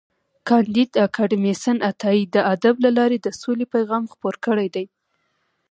کانديد اکاډميسن عطايي د ادب له لارې د سولې پیغام خپور کړی دی.